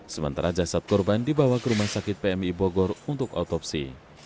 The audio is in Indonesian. sementara jasad korban dibawa ke rumah sakit pmi bogor untuk otopsi